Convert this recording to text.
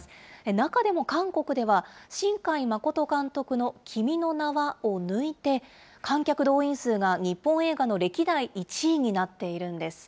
中でも韓国では、新海誠監督の君の名は。を抜いて、観客動員数が日本映画の歴代１位になっているんです。